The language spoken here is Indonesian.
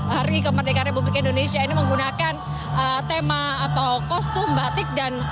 hari kemerdekaan republik indonesia ini menggunakan tema atau kostum batik dan